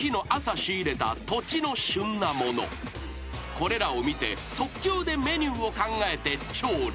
［これらを見て即興でメニューを考えて調理］